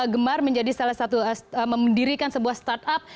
gemar menjadi salah satu memendirikan sebuah start up